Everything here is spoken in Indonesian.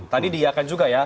tadi diiakan juga ya